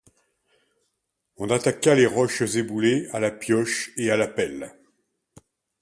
On attaqua les roches éboulées à la pioche et à la pelle.